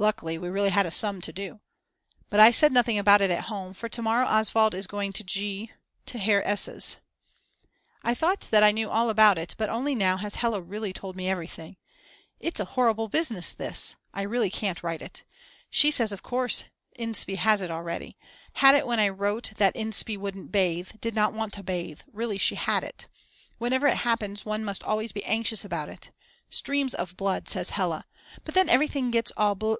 Luckily we really had a sum to do. But I said nothing about it at home, for to morrow Oswald is going to G. to Herr S's. I thought that I knew all about it but only now has Hella really told me everything. It's a horrible business this ... I really can't write it. She says that of course Inspee has it already, had it when I wrote that Inspee wouldn't bathe, did not want to bathe; really she had it. Whatever happens one must always be anxious about it. Streams of blood says Hella. But then everything gets all bl